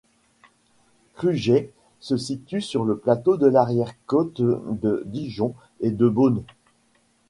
Crugey se situe sur le plateau de l'Arrière côte de Dijon et de Beaune.